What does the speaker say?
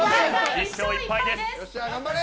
１勝１敗です。